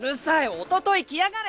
おととい来やがれ！